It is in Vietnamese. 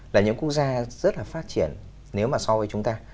là những quốc gia rất là phát triển nếu mà so với chúng ta